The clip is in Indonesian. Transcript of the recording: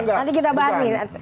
nanti kita bahas nih